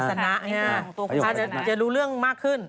อันนี้ใส่สนะนี่ถ้าจะรู้เรื่องมากขึ้น